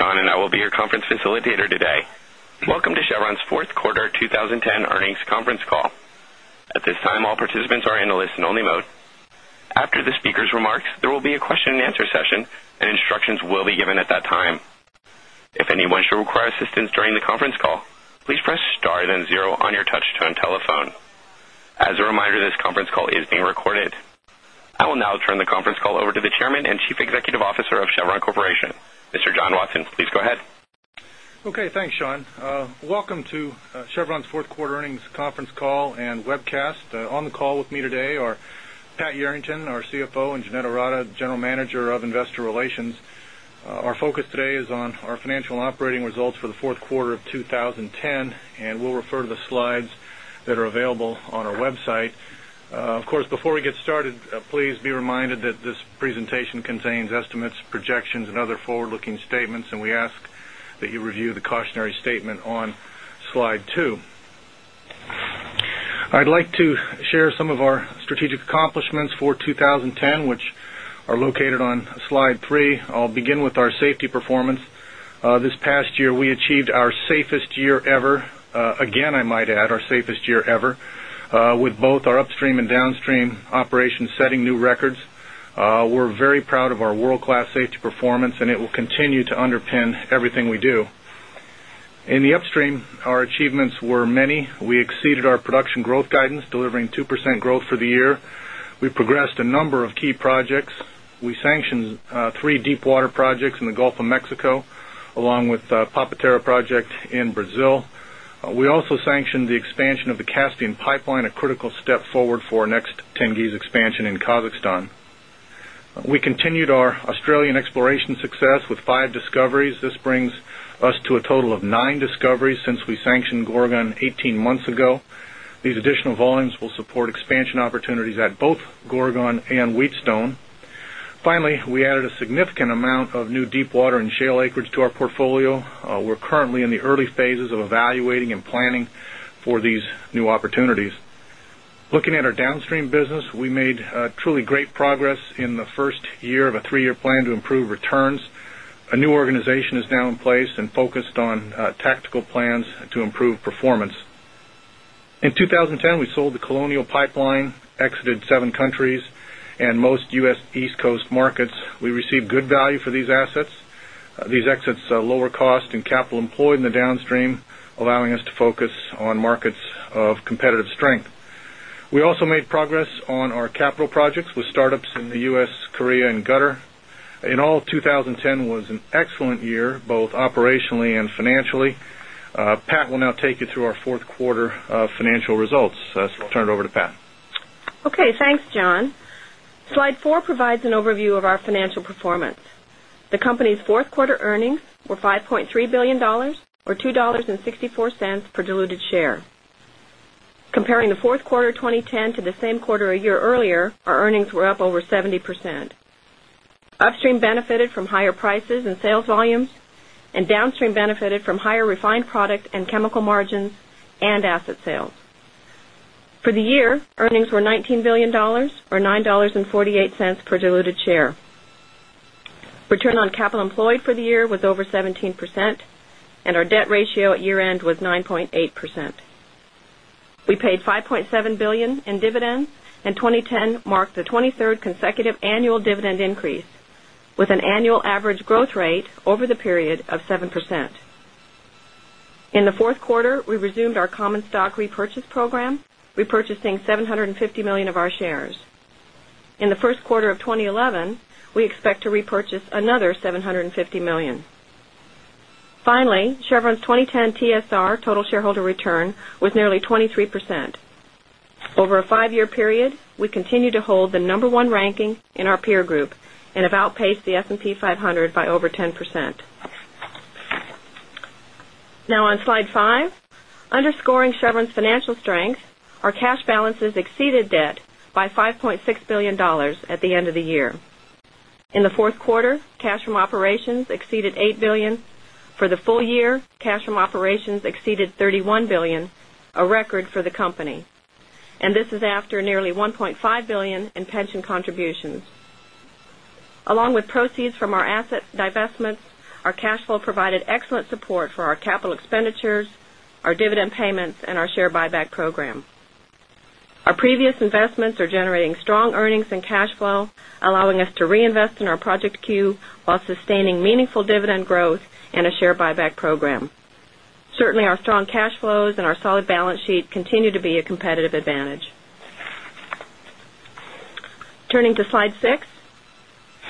name is Sean, and I will be your conference facilitator today. Welcome to Chevron's 4th Quarter 2010 Earnings Conference Call. At this time, all participants are in a listen only mode. After the speakers' remarks, there will be a question and answer session and instructions will be given at that time. As a reminder, this conference call is being recorded. I will now turn the conference call over to the Chairman and Chief Executive Officer of Chevron Corporation. Mr. John Watson, please go ahead. Okay. Thanks, Sean. Welcome to Chevron's 4th quarter earnings conference call and webcast. On the call with me today are Pat Yerington, our CFO and Jeanette Arata, General Manager of Investor Relations. Our focus today is on our financial and operating results for the Q4 of 2010 and we'll refer to the slides that are available on our website. Of course, before we get started, please be reminded that this presentation contains estimates, projections and other forward looking statements and we ask that you review the cautionary statement on Slide 2. I'd like to share some of our strategic accomplishments for 2010 which are located on Slide 3. I'll begin with our safety performance. This past year we achieved our safest year ever, again I might add our safest year ever with both our upstream and downstream operations setting new records. We're very proud of our world class safety performance and it will continue to underpin everything we do. In the upstream, our achievements were many. We exceeded production growth guidance delivering 2% growth for the year. We progressed a number of key projects. We sanctioned 3 deepwater projects in Gulf of Mexico along with the Papatera project in Brazil. We also sanctioned the expansion of the Caspian pipeline a critical step forward for next Tengiz expansion in Kazakhstan. We continued our Australian exploration success with 5 discoveries. This brings us to a total of 9 discoveries since we sanctioned Gorgon 18 months ago. These additional volumes will support expansion opportunities at both Gorgon and Wheatstone. Finally, we added a significant amount of new deepwater and shale acreage to our portfolio. We're currently in the early phases of evaluating and planning for these new opportunities. Looking at our downstream business, we made truly great progress in the 1st year of 3 year plan to improve returns. A new organization is now in place and focused on tactical plans to improve performance. In 2010, we sold the Colonial Pipeline, exited 7 countries and most U. S. East Coast markets. We received good value for these assets. These exits are lower cost and capital employed in the downstream allowing us to focus on markets of competitive strength. We also made progress on our capital projects with startups in the U. S, Korea and Gutter. In all, 2010 was an excellent year, both operationally and financially. Pat will now take you through our Q4 financial results. So I'll turn it over to Pat. Okay. Thanks, John. Slide 4 provides an overview of our financial performance. The company's 4th quarter earnings were $5,300,000,000 or $2.64 per diluted share. Comparing the Q4 2010 to the same quarter a year earlier, our earnings were up over 70%. Upstream benefited from higher prices and sales volumes and downstream benefited from higher refined product and chemical margins and asset sales. For the year, earnings were $19,000,000,000 or CAD9.48 per diluted share. Return on capital employed for the year was over 17% and our debt ratio at year end was 9.8%. We paid 5,700,000,000 in dividends and 2010 marked the 23rd consecutive annual dividend increase with an annual average growth rate over the period of 7%. In the Q4, we resumed our common stock repurchase program, repurchasing 750,000,000 of our shares. In the Q1 of 2011, we expect to repurchase another 750,000,000. Finally, Chevron's 2010 TSR total shareholder return was nearly 23%. Over a 5 year period, we continue to hold the number one ranking in our peer group and have outpaced the S and P 500 by over 10%. Now on Slide 5, underscoring Chevron's financial strength, our cash balances exceeded debt by $5,600,000,000 at the end of the year. In the Q4, cash from operations exceeded $8,000,000,000 For the full year, cash from operations exceeded $31,000,000,000 a record for the company. And this is after nearly $1,500,000,000 in pension contributions. Along with proceeds from our asset divestments, our cash flow provided excellent support for our capital expenditures, our dividend payments and our share buyback program. Our previous investments are generating strong earnings and cash flow, allowing us to reinvest in our Project Q while sustaining meaningful dividend growth and a share buyback program. Certainly, our strong cash flows and our solid balance sheet continue to be a competitive advantage. Turning to Slide 6.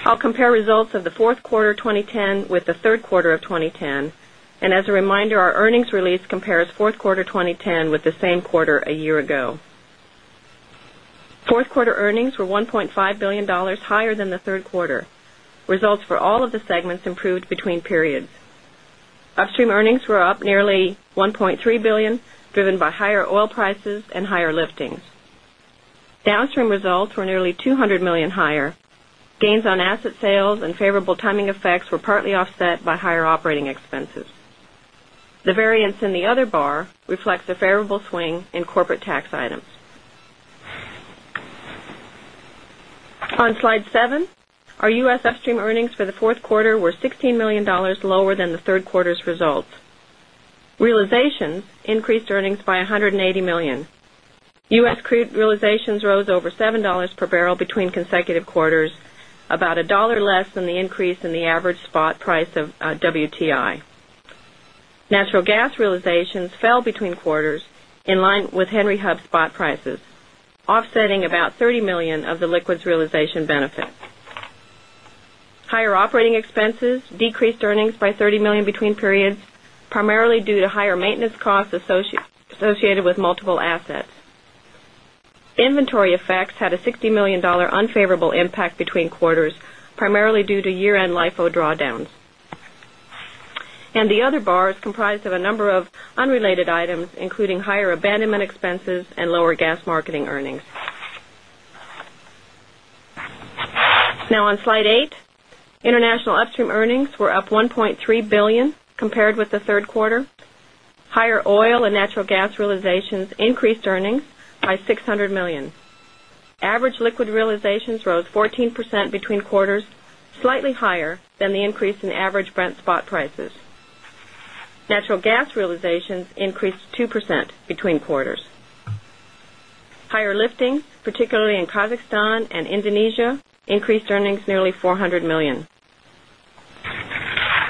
I'll compare results of the Q4 2010 with the Q3 of 2010. And as a reminder, our earnings release compares Q4 2010 with the same quarter a year ago. 4th quarter earnings were $1,500,000,000 higher than the 3rd quarter. Results for all of the segments improved between periods. Upstream earnings were up nearly $1,300,000,000 driven by higher oil prices and higher liftings. Downstream results were nearly DKK200 1,000,000 higher. Gains on asset sales and favorable timing effects were partly offset by higher operating expenses. The variance in the other bar reflects a favorable swing in corporate tax items. On Slide 7, our U. S. Upstream earnings for the Q4 were $16,000,000 lower than the 3rd quarter's results. Realizations increased earnings by $180,000,000 U. S. Crude realizations rose over $7 per barrel between consecutive quarters, about $1 less than the increase in the average spot price of WTI. Natural gas realizations fell between quarters in line with Henry Hub spot prices, offsetting about DKK30 1,000,000 of the liquids realization benefit. Higher operating expenses decreased earnings by 30,000,000 between periods, primarily due to higher maintenance costs associated with multiple assets. Inventory effects had a $60,000,000 unfavorable impact between quarters, primarily due to year end LIFO drawdowns. And the other bar is comprised of a number of unrelated items, including higher abandonment expenses and lower gas marketing earnings. Now on Slide 8, international upstream earnings were up 1.3 billion compared with the 3rd quarter. Higher oil and natural gas realizations increased earnings by 600,000,000. Average liquid realizations rose 14% between quarters, slightly higher than the increase in average Brent spot prices. Natural gas realizations increased 2% between quarters. Higher lifting, particularly in Kazakhstan and Indonesia, increased earnings nearly 400,000,000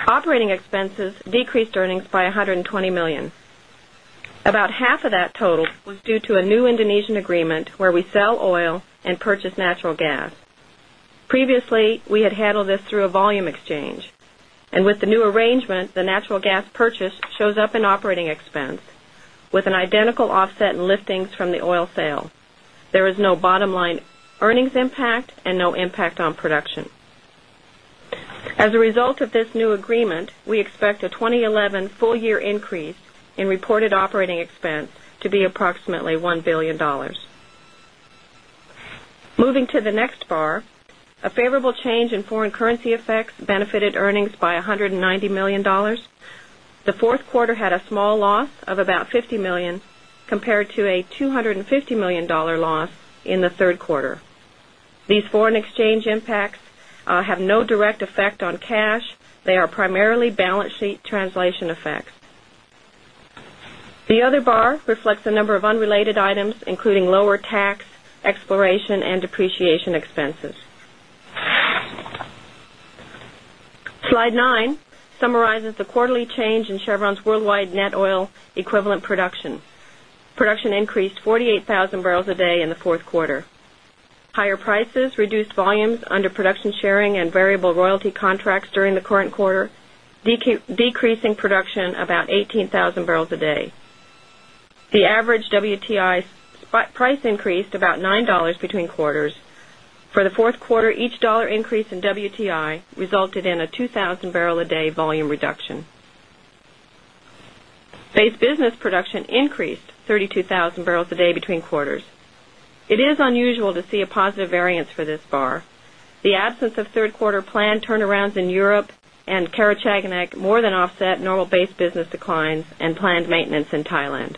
Operating expenses decreased earnings by 120,000,000. About half of that total was due to a new Indonesian agreement where we sell oil and purchase natural gas. Previously, we had handled this through a volume exchange. And with the new arrangement, the natural gas purchase shows up in operating expense with an identical offset in liftings from the oil sale. There is no bottom line earnings impact and no impact on production. As a result of this new agreement, we expect a 20 11 full year increase in reported operating expense to be approximately $1,000,000,000 Moving to the next bar, a favorable change in foreign currency effects benefited earnings by $190,000,000 The 4th quarter had a small loss of about CAD50 1,000,000 compared to a CAD250 1,000,000 loss in the 3rd quarter. These foreign exchange impacts have no direct effect on cash. They are primarily balance sheet translation effects. The other bar reflects a number of unrelated items, including lower tax, exploration and depreciation expenses. Slide 9 summarizes the quarterly change in Chevron's worldwide net oil equivalent production. Production increased 48,000 barrels a day in the 4th quarter. Higher prices reduced volumes under production sharing and variable royalty contracts during the current quarter, decreasing production about 18,000 barrels a day. The average WTI spot price increased about $9 between quarters. For the Q4, each dollar increase in WTI resulted in a 2,000 barrel a day volume reduction. Base business production increased 32,000 barrels a day between quarters. It is unusual to see a positive variance for this bar. The absence of 3rd quarter planned turnarounds in Europe and Karachaganak more than offset normal base business declines and planned maintenance in Thailand.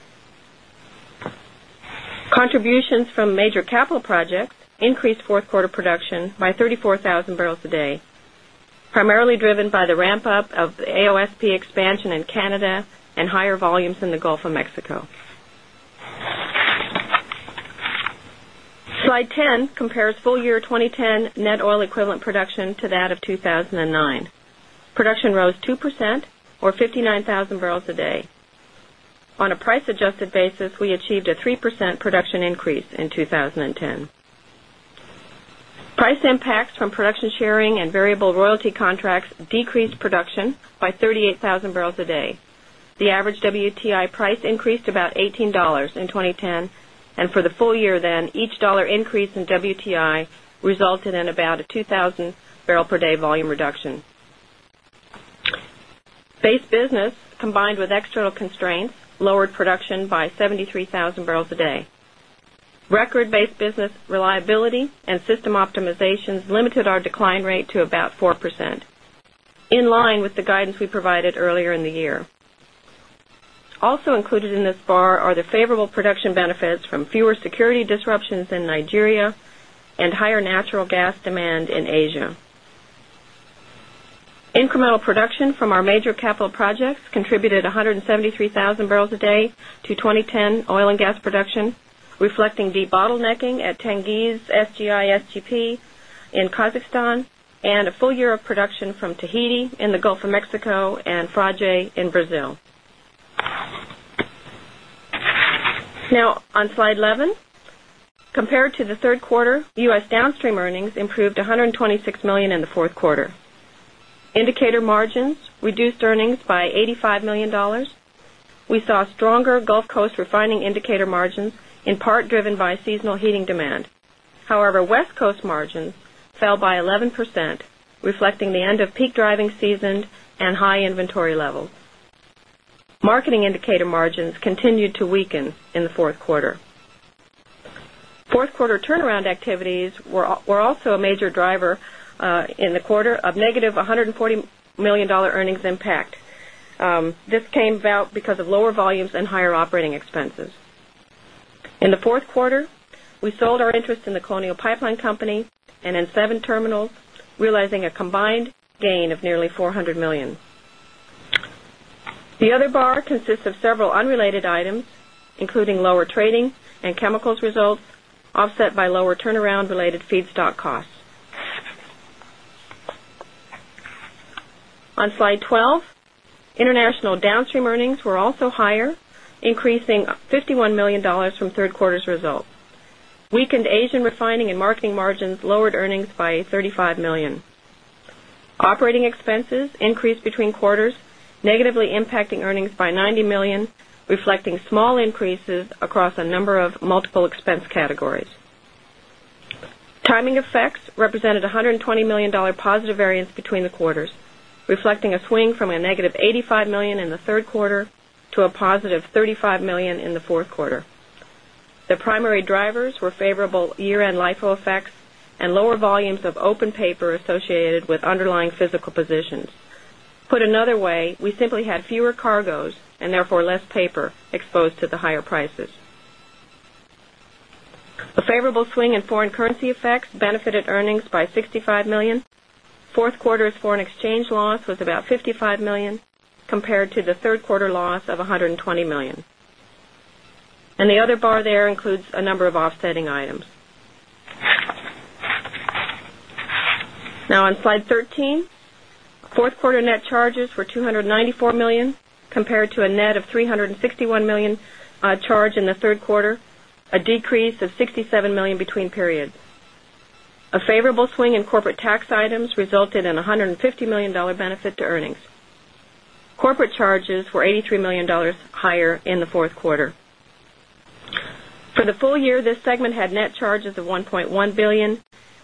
Contributions from major capital projects increased 4th quarter production by 34,000 barrels a day, primarily driven by the ramp up of AOSP expansion in Canada and higher volumes in the Gulf of Mexico. Slide 10 compares full year 2010 net oil equivalent production to that of 2,009. Production rose 2% or 59,000 barrels a day. On a price adjusted basis, we achieved a 3% production increase in 2010. Price impacts from production sharing and variable royalty contracts decreased production by 38,000 barrels a day. The average WTI price increased about $18 in 2010 and for the full year then each dollar increase in WTI resulted in about a 2,000 barrel per day volume reduction. Base business, combined with external constraints, lowered production by 73,000 barrels a day. Record base business reliability and system optimizations limited our decline rate to about 4%, in line with the guidance we provided earlier in the year. Also included in this bar are the favorable production benefits from fewer security disruptions in Nigeria and higher natural gas demand in Asia. Incremental production from our major capital projects contributed 173,000 barrels a day to 2010 oil and gas production, reflecting debottlenecking at Tengiz SGI SGP in Kazakhstan and a full year of production from Tahiti in the Gulf of Mexico and Frage in Brazil. Now on Slide 11, compared to the Q3, U. S. Downstream earnings improved CAD126 1,000,000 in the 4th quarter. Indicator margins reduced earnings by CAD85 1,000,000 We saw stronger Gulf Coast refining indicator margins in part driven by seasonal heating demand. However, West Coast margins fell by 11%, reflecting the end of peak driving season and high inventory levels. Marketing indicator margins continued to weaken in the 4th quarter. 4th quarter turnaround activities were also a major driver in the quarter of negative 140 $1,000,000 earnings impact. This came about because of lower volumes and higher operating expenses. In the 4th quarter, we sold our interest in the Colonial Pipeline Company and in 7 terminals, realizing a combined gain of nearly CNY400 1,000,000. The other bar consists of several unrelated items, including lower trading and chemicals results, offset by lower turnaround related feedstock costs. On Slide 12, international downstream earnings were also higher, increasing $51,000,000 from 3rd quarter's results. Weakened Asian refining and marketing margins lowered earnings by 35,000,000. Operating expenses increased between quarters, negatively impacting earnings by 90,000,000, reflecting small increases across a number of multiple expense categories. Timing effects represented $120,000,000 positive variance between the quarters, reflecting a swing from a negative $85,000,000 in the 3rd quarter to a positive $35,000,000 in the 4th quarter. The primary drivers were favorable year end LIFO effects and lower volumes of open paper associated with underlying physical positions. Put another way, we simply had fewer cargoes and therefore less paper exposed to the higher prices. A favorable swing in foreign currency effects benefited earnings by KRW65 1,000,000. 4th quarter's foreign exchange loss was about KRW55 1,000,000 compared to the 3rd quarter loss of RMB120 1,000,000. And the other bar there includes a number of offsetting items. Now on Slide 13, 4th quarter net charges were RMB294 1,000,000 compared to a net of CNY361 1,000,000 charge in the 3rd quarter, a decrease of CNY67 1,000,000 between periods. A favorable swing in corporate tax items resulted in CAD150 1,000,000 benefit to earnings. Corporate charges were CAD83 1,000,000 higher in the Q4. For the full year, this segment had net charges of 1,100,000,000.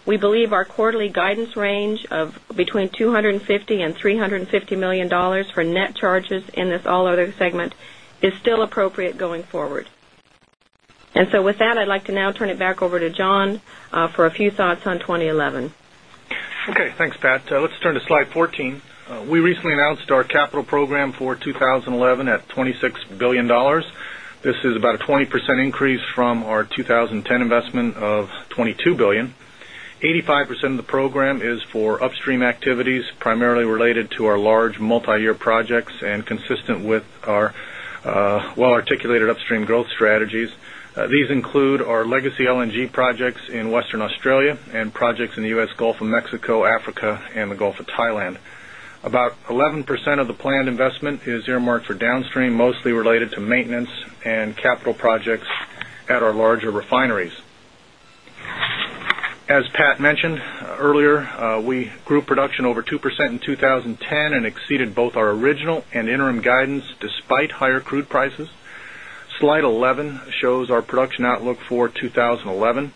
We believe our quarterly guidance range of between $250,000,000 $350,000,000 for net charges in this all other segment is still appropriate going forward. And so with that, I'd like to now turn it back over to John for a few thoughts on 2011. Okay. Thanks, Pat. Let's turn to Slide 14. We recently announced our capital program for 2011 at $26,000,000,000 This is about a 20% increase from our 2010 investment of 22,000,000,000 dollars 85% of the program is for upstream activities primarily related to our large multiyear projects and consistent with our well articulated upstream growth strategies. These include our legacy LNG projects in Western Australia and projects in the U. S. Gulf of Mexico, Africa and the Gulf of Thailand. About 11% of the planned investment is earmarked for downstream mostly related to maintenance and capital projects at our larger refineries. As Pat mentioned earlier, we grew production over 2% in 20 10 and exceeded both our original and interim guidance despite higher crude prices. Slide 11 shows our production outlook for 2011.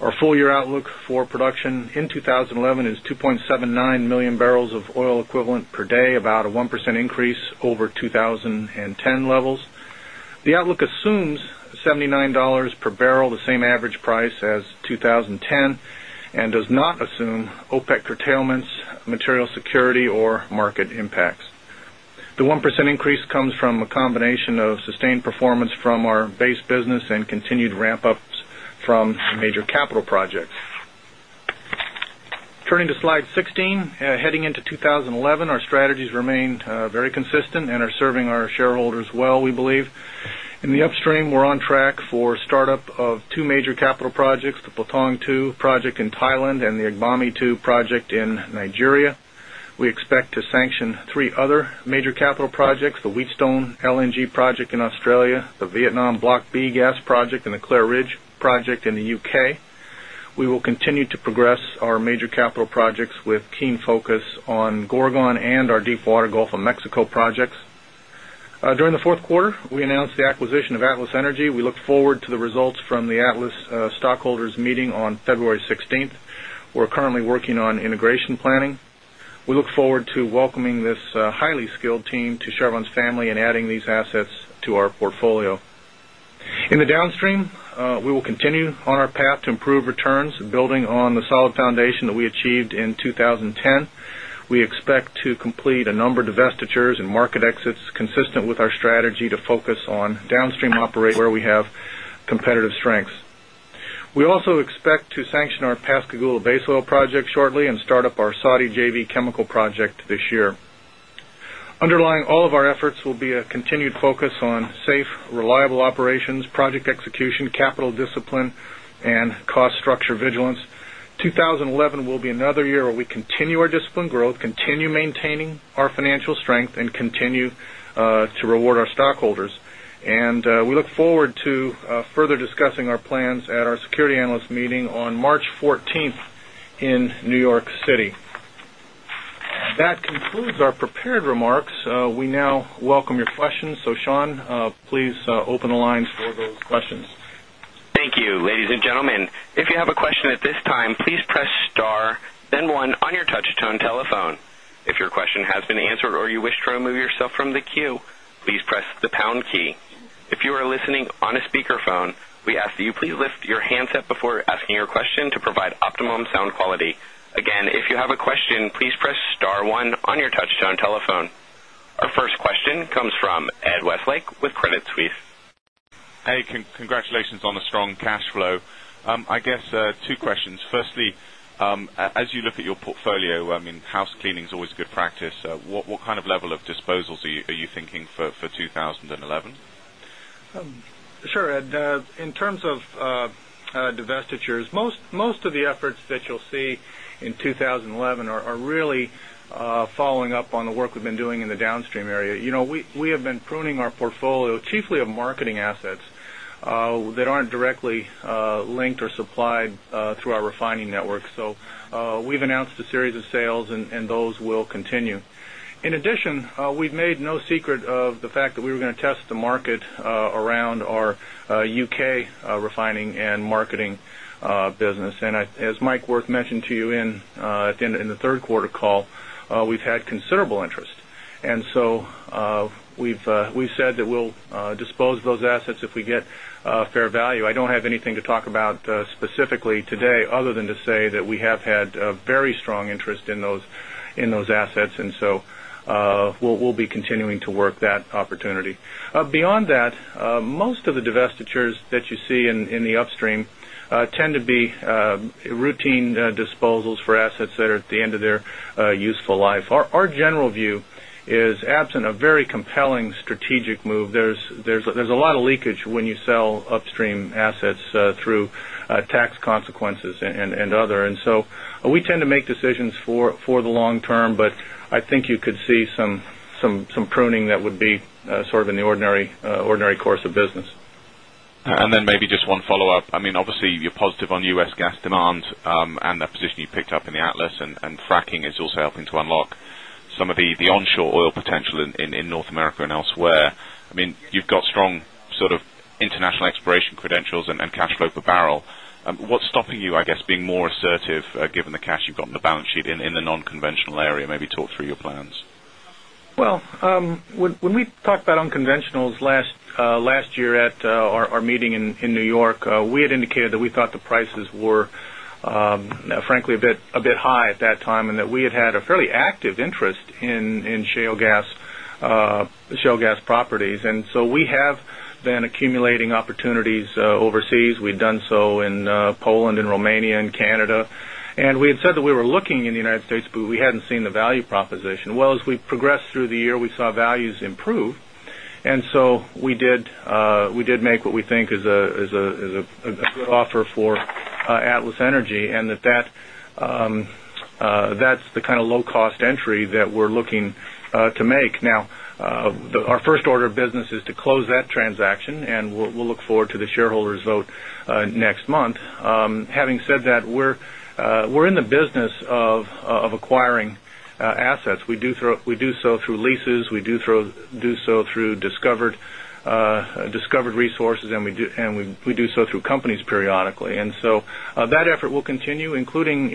Our full year outlook for production in 2011 is 2,790,000 barrels of oil equivalent per day about a 1% increase over 20 10 levels. The outlook assumes $79 per barrel the same average price as 20.10 and does not assume OPEC curtailments, material security or market impacts. The 1% increase comes from a combination of sustained performance from our base business and continued ramp ups from major capital projects. Turning to Slide 16, heading into 2011, our strategies remain very consistent and are serving our shareholders well we believe. In the upstream we're on track for startup of 2 major capital projects, the Plitang II project in Thailand and the Agbami II project in Nigeria. We expect to sanction 3 other major capital projects, the Wheatstone LNG project in Australia, the Vietnam Block B Gas project and the Clare Ridge project in the UK. We will continue to progress our major capital projects with keen focus on Gorgon and our Deepwater Gulf of Mexico projects. During the Q4, we announced the acquisition of Atlas Energy. We look forward to the results from the Atlas Stockholders Meeting on February 16. We're currently working on integration planning. We look forward to will continue on our path to improve returns building on the solid foundation that we achieved in 2010. We expect to complete a number of divestitures and market exits consistent with our strategy to focus on downstream operations where we have competitive strengths. We also expect to sanction our Pascagoula base oil project shortly and start up our Saudi JV chemical project this year. Underlying all of our efforts will be a continued focus on safe, reliable operations, project execution, capital discipline and cost structure vigilance. 2011 will be another year we continue our disciplined growth, continue maintaining our financial strength and continue to reward our stockholders. And we look forward to further discussing our plans at our Security Analyst Meeting on March 14th in New York City. That concludes our prepared remarks. We now welcome your questions. So Sean, please open the lines for those questions. Thank Westlake with Credit Suisse. Hey, congratulations on the strong cash flow. I guess, two questions. Firstly, as you look at your portfolio, I mean, house cleaning is always a good practice. What kind of level of disposals are you thinking for 2011? Sure, Ed. In terms of divestitures, most of the efforts that you'll see in 2011 are really following up on the work we've been doing in the downstream area. We have been pruning our portfolio chiefly of marketing assets that aren't directly linked or supplied through our refining network. So we've announced a series of sales and those will continue. In addition, we've made no secret of the fact that we were going to test the market around our U. K. Refining and marketing business. And as Mike Worth mentioned to you in the Q3 call, we've had considerable interest. And so we've said that we'll dispose those assets if we get fair value. I don't have anything to talk about specifically today other than to say that we have had a very strong interest in those assets. And so we'll be continuing to work that opportunity. Beyond that, most of the divestitures that you see in the upstream tend to be routine disposals for assets that are at the end of their useful life. Our general view is absent a very compelling strategic move. There There's a lot of leakage when you sell upstream assets through tax consequences and other. And so we tend to make decisions for the long term, but I think you could see some pruning that would be sort of in the ordinary course of business. And then maybe just one follow-up. I mean, obviously, you're positive on U. S. Gas demand and the position you picked up in the Atlas and fracking is also helping to unlock some of the onshore oil potential in North America and elsewhere. I mean, you've got strong sort of international exploration credentials and cash flow per barrel. What's stopping you, I guess, being more assertive given the cash you've got in the balance sheet in the nonconventional area? Maybe talk through your plans. Well, when we talked about unconventionals last year at our meeting in New York, we had indicated that we thought the prices were frankly a bit high at that time and that we have had a fairly active interest in shale gas properties. And so we have been accumulating opportunities overseas. We've done so in Poland and Romania and Canada. And we had said that we were looking in the States, but we hadn't seen the value proposition. Well, as we progressed through the year, we saw values improve. And so we did make what we think is a good offer for Atlas Energy and that's the kind of low cost entry that we're looking to make. Now our first order of business is to close that transaction and we'll look forward to the shareholders vote next month. Having said that, we're in the business of acquiring assets. We do so through leases. We do so through discovered resources and we do so through companies periodically. And so that effort will continue including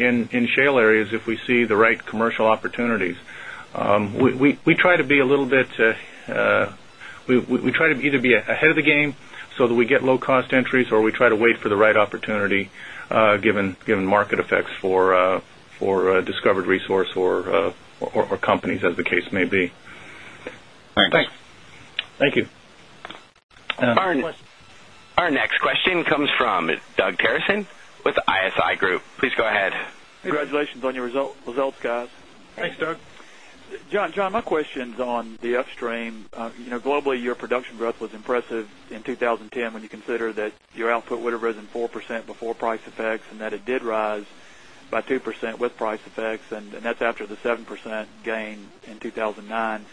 shale areas if we see the right commercial opportunities. We try to be a little bit we try to either be ahead of the game so that we get low cost entries or we try to wait for the right opportunity given market effects for a discovered resource or company as the case may be. Thanks. Thank you. Our next question comes from Doug Terreson with ISI Group. Please go ahead. Congratulations on your results guys. Thanks Doug. John, my question is on the upstream. Globally, your production growth was impressive in 2010 when you consider that your output would have risen 4% before price effects and that it did rise by 2% with price effects and that's after the 7% gain in 2,009.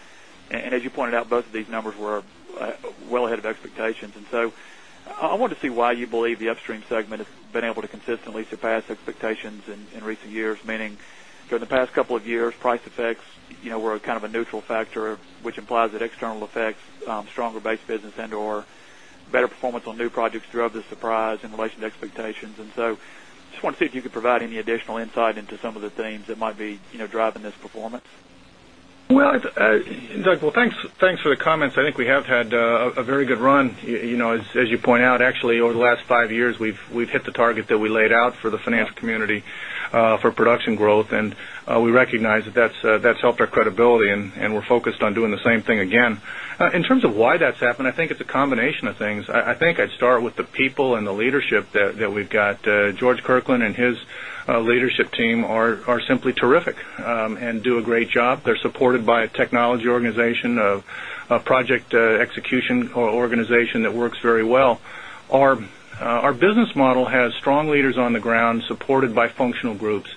And as you pointed out, both of these numbers were well ahead of expectations. And so I want to see why you believe the upstream segment has been able to consistently surpass expectations in recent years, meaning during the past couple of years price effects were kind of a neutral factor, which implies that external effects, stronger base business and or better performance on new projects drove the surprise in relation to expectations. And so, just want to see if you could provide any additional insight into some of the things that might be driving this performance? Well, Doug, well, thanks for the comments. I think we have had a very good run. As you point out, actually over the last 5 years, we've hit the target that we laid out for the finance community for production growth and we recognize that that's helped our credibility and we're focused on doing the same thing again. In terms of why that's happened, I think it's a combination of things. I think I'd start with the people and leadership that we've got. George Kirkland and his leadership team are simply terrific and do a great job. They're supported by a technology or project execution organization that works very well. Our business model has strong leaders on the ground supported by functional groups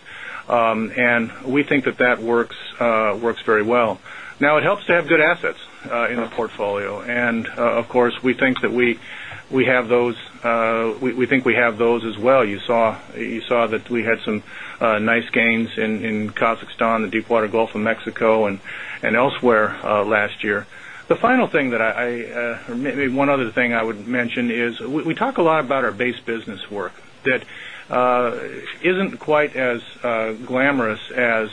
and we think that that works very well. Now it helps to have good assets in the portfolio. And of course, we think that we have those we think we have those as well. You saw that we had some nice gains in Kazakhstan, the Deepwater Gulf of Mexico and elsewhere last year. The final thing that I maybe one other thing I would mention is we talk a lot about our base business work that isn't quite as glamorous as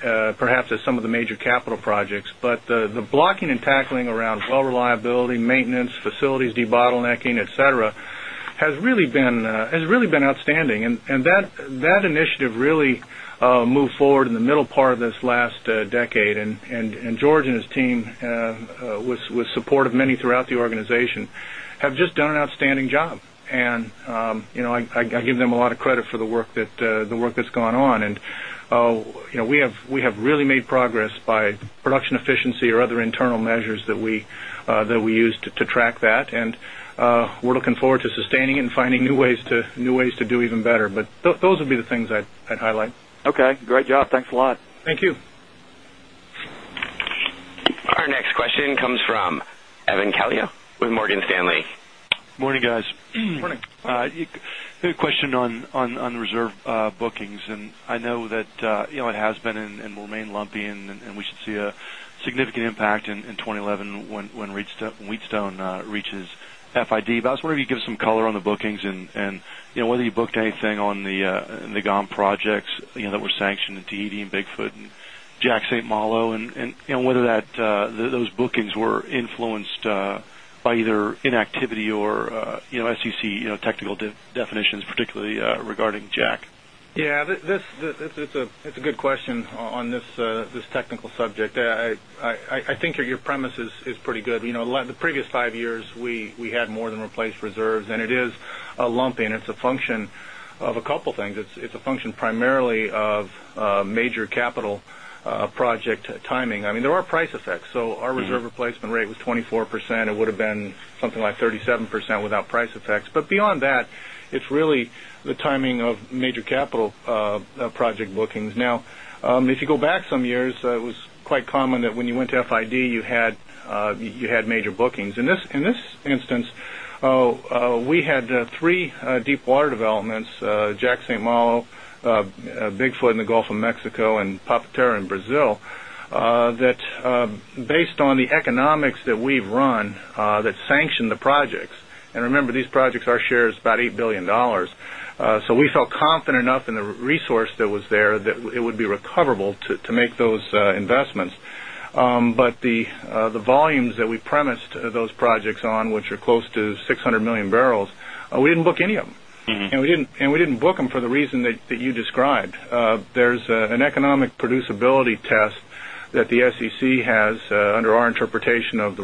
perhaps as some of the major capital projects, but the blocking and tackling around well reliability, maintenance, facilities, debottlenecking, etcetera, has really been outstanding. And that initiative really moved forward in the middle part of this last decade. And George and his team with support of many throughout the organization have just done an outstanding job. And I give them a lot of credit for the work that's gone on. And we have really made progress by production efficiency or other internal measures that we use to track that and we're looking forward to sustaining and finding new ways to do even better. But those would be the things I'd highlight. Okay. Great job. Thanks a lot. Thank you. Our next question comes it has been and will remain lumpy and we should see a significant impact in 2011 when Wheatstone reaches FID. But I was wondering if you could give us some color on the bookings and whether you booked anything on the GOM projects that were sanctioned in Tahiti and Bigfoot and Jack St. Malo and whether that those bookings were influenced by either inactivity or SEC technical definitions, particularly regarding Jack? Yes, it's a good question on this technical subject. I think your premise is pretty good. The previous 5 years, we had more than replaced reserves and it is a lumpy and it's a function of a couple of things. It's a function primarily of major capital project timing. I mean there are price effects. So our reserve replacement rate was 24%. It would have something like 37% without price effects. But beyond that, it's really the timing of major capital project bookings. Now, if you go back some years, it was quite common that when you went to FID, you had major bookings. In this instance, we had 3 deepwater developments, Jack St. Malo, Bigfoot in the Gulf of Mexico and Papatera in Brazil that based on the economics that we've run that sanctioned the projects and remember these projects our share is about $8,000,000,000 So we felt confident enough in the resource that was there that it would be recoverable to make those investments. But the volumes that we premised those projects on which are close to 600,000,000 barrels, we didn't book any of them and we didn't book them for the reason that you described. There's an economic producibility test that the SEC has under our interpretation of the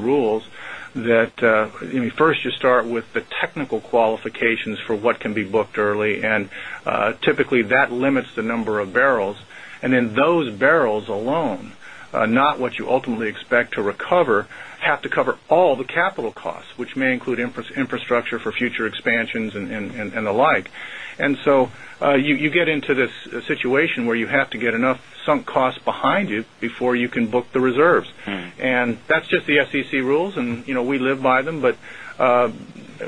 rules that first you start with the technical qualifications for what can be booked early and typically that limits the number of barrels. And then those barrels alone not what you ultimately expect to recover have to cover all capital costs which may include infrastructure for future expansions and the like. And so you get into this situation where you have to get enough sunk costs behind you before you can book the reserves. And that's just the SEC rules and we live by them, but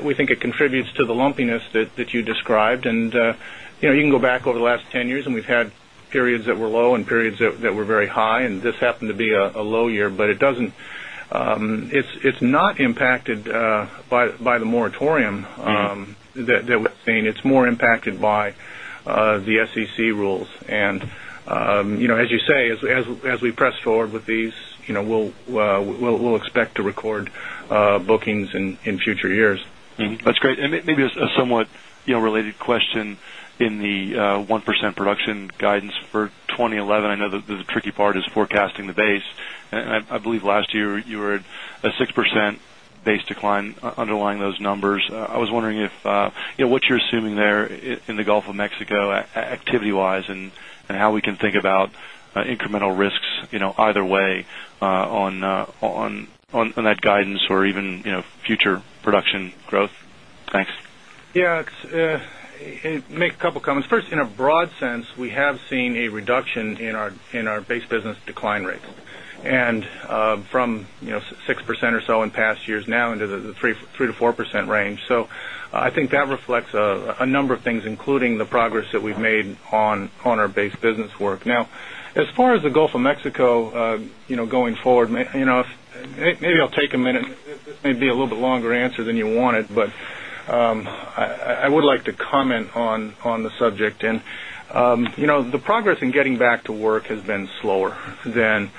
we think it contributes to the lumpiness that you described. And you can go back over the last 10 years and we've had periods that were low and periods that were very high and this happened to be a low year, but it doesn't it's not impacted by the moratorium that we've seen. It's more impacted by the SEC rules. And as you say, as we press forward with these, we'll expect to record bookings in future years. That's great. And maybe a somewhat related question in the 1% production guidance for 2011. I know the tricky part is forecasting the base. And I believe last year you were at a 6% base decline underlying those numbers. I was wondering if what you're assuming there in the Gulf of Mexico activity wise and how we can think about incremental risks either way on that guidance or even future production growth? Thanks. Yes. I'll make a couple of comments. 1st, in a broad sense, we have seen a reduction in our base business decline rates. And from 6% or so in past years now into the 3% to 4% range. So I think that reflects a number of things, including the progress that we've made on our base business work. Now as far as the Gulf of Mexico going forward, maybe I'll take a minute, maybe a little bit longer answer than you wanted, but I would like to comment on the subject. And the progress in getting back to work has been slower than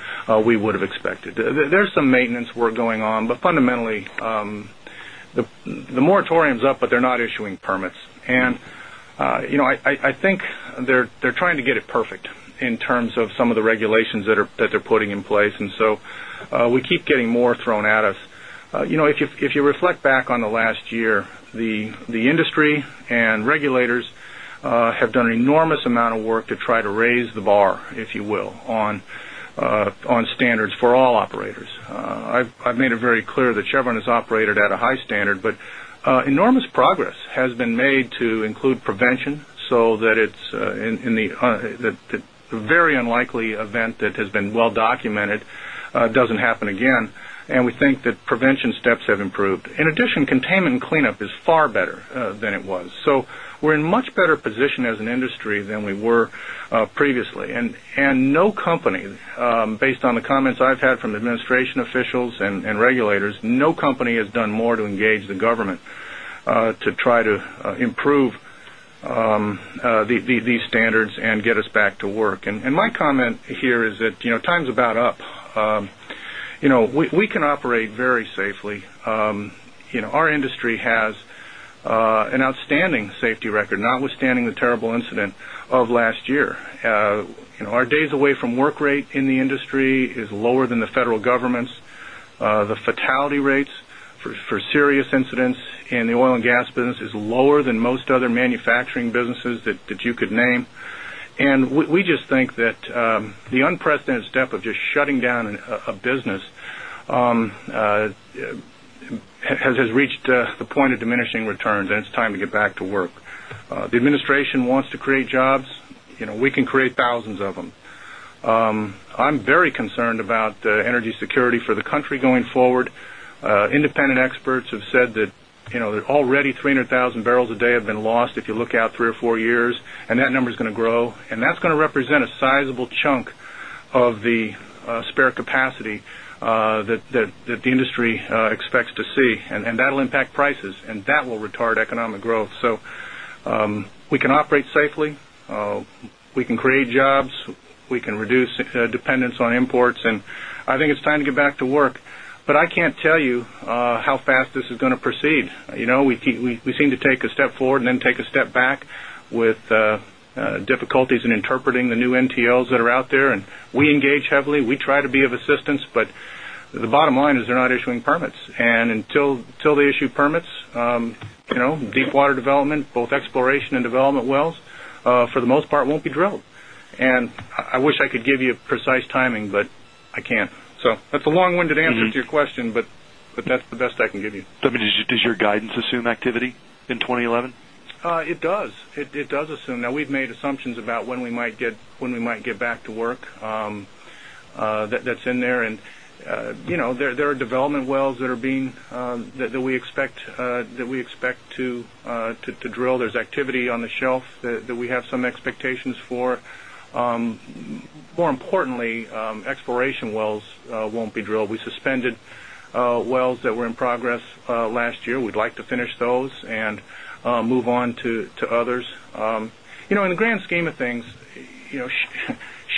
we would have expected. There's some maintenance work going on, but fundamentally, the moratorium is up, but they're not issuing permits. And I think they're trying to get it perfect in terms of some of the regulations that they're putting in place. And so we keep getting more thrown at us. If you reflect back on the last year, the industry and regulators have done an enormous amount of work to try to raise the bar, if you will, on standards for all operators. I've made it very clear that Chevron has operated at a high standard, but enormous progress has been made to include prevention so that it's in the very unlikely event that has been well documented doesn't happen again and we think that prevention steps have improved. In addition, containment and cleanup is far better than it was. So we're in much better position as an industry than we were previously. And no company, based on the comments I've had from administration officials and regulators, no company has done more to engage the government to try to improve these standards and get us back to work. And my comment here is that time is about up. We can operate very safely. Our industry has an outstanding safety record notwithstanding industry is lower than the federal government's. The fatality rates for serious incidents in the oil and gas business is lower than most other manufacturing businesses that you could name. And we just think that the unprecedented step of just shutting down a business has reached the point of diminishing returns and it's time to get back to work. The administration wants to create jobs. We can create thousands of them. I'm very concerned about the energy security for the country going forward. Independent experts have said that already 300,000 barrels a day have been lost if you look out 3 or 4 years and that number is going to grow and that's going to represent a sizable chunk of the spare capacity that the industry expects to see and that will impact prices and that will retard economic growth. So we can operate safely. We can create jobs. We can reduce dependence on imports and I think it's time to get back to work. But I can't tell you how fast this is going to proceed. We seem to take a step forward and then take a step back with difficulties in interpreting the new NTLs that are out there and we engage heavily. We try to be of assistance, but the bottom line is they're not issuing permits. And until they issue permits, deepwater development, both exploration and development wells, for the most part won't be drilled. And I wish I could give you precise timing, but I can't. So that's a long winded answer to your question, but that's the best I can give you. Does your guidance assume activity in 2011? It does. It does assume that we've made assumptions about when we get back to work that's in there. And there are development wells that are being that we expect to drill. There's activity on the shelf that we have some expectations for. More importantly, exploration wells won't be drilled. We suspended wells that were in progress last year. We'd like to finish those and move on to others. In the grand scheme of things,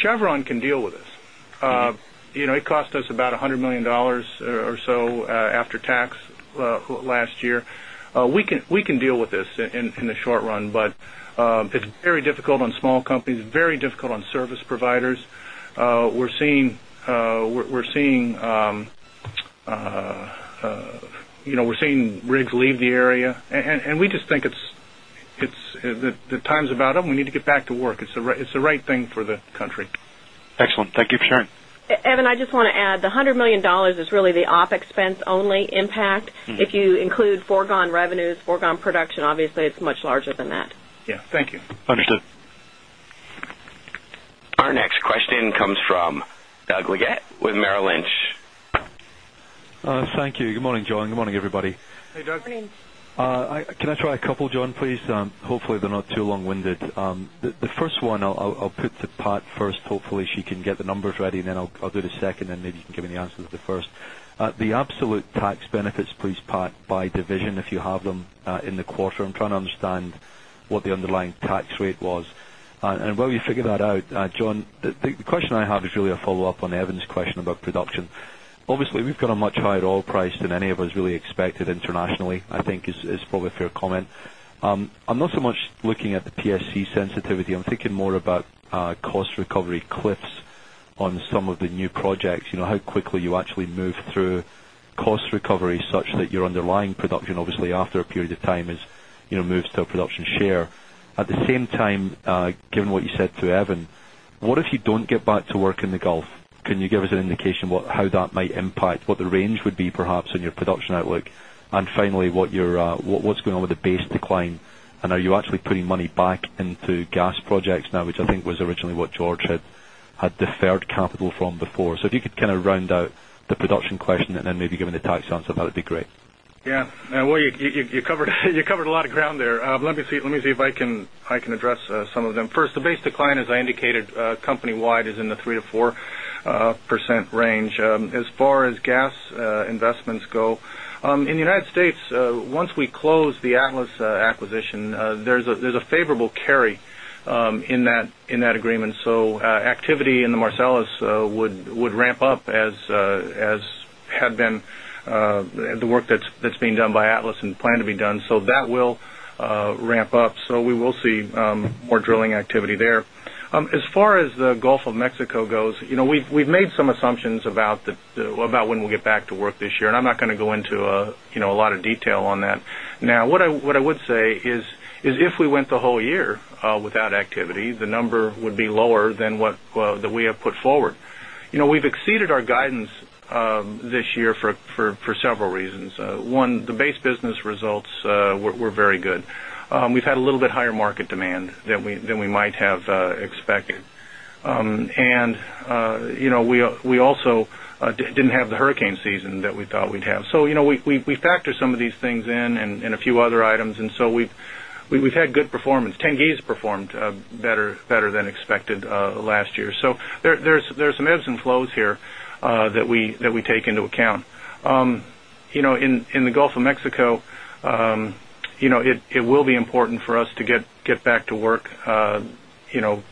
Chevron can deal with this. It cost us about $100,000,000 or so after tax last year. We can deal with this in the short run, but it's very difficult on small companies, very difficult on service providers. We're seeing rigs leave the area and we just think it's the time is about them. We need to get back to work. It's the right thing for the country. Excellent. Thank you for sharing. Evan, I just want to add the $100,000,000 is really the op expense only impact. If you include foregone revenues, foregone production, obviously, it's much larger than that. Yes. Thank you. Understood. Our next question comes from Doug Leggate with Merrill Lynch. Thank you. Good morning, John. Good morning, everybody. Hey, Doug. Good morning. Can I try a couple, John, please? Hopefully they're not too long winded. The first one, I'll put to Pat first. Hopefully, she can get the numbers ready, and then I'll do the second and maybe you can give me the answer to the first. The absolute tax benefits, please, Pat, by division if you have them in the quarter, I'm trying to understand what the underlying tax rate was. And while you figure that out, John, the question I have is really a follow-up on Evan's question about production. Obviously, we've got a much higher oil price than any of us really expected internationally, I think is probably a fair comment. I'm not so much looking at the PSC sensitivity. I'm thinking more about cost recovery cliffs on some of the new projects, how quickly you actually move through cost recovery such that your underlying production obviously after a period of time has moved to a production share. At the same time, given what you said to Evan, what if you don't get back to work in the Gulf? Can you give us an indication how that might impact what the range would be perhaps in your production outlook? And finally, what's going on with the base decline? And are you actually putting money back into gas projects now, which I think was originally what George had deferred capital from before. So if you could kind of round out the production question and then maybe give me the tax answer, that would be great. Yes. You covered a lot of ground there. Let me see if I can address some of them. First, the base decline as I indicated company wide is in the 3% to 4% range. As far as gas investments go, in the United States, once we close the Atlas acquisition, there's a favorable the work that's being done by Atlas and plan to be done. So that will ramp up. So we will see more drilling activity there. As far as the Gulf of Mexico goes, we've made some assumptions about when we'll get back to work this year and I'm not going to go into a lot of detail on that. Now what I would say is if we went the whole year without activity, the number would be lower than what we have put forward. We've exceeded our guidance this year for several reasons. 1, the base business results were very good. We've had a little bit higher market demand than we might have expected. And we also didn't have the hurricane season that we thought we'd have. So we factor some of these things in a few other items and so we've had good performance. Tengiz performed better than expected last year. So there's some ebbs and flows here that we take into account. In the Gulf of Mexico, it will be important for us to get back to work